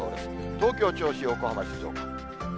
東京、銚子、横浜、静岡。